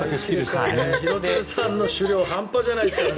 廣津留さんの酒量はんぱじゃないですからね。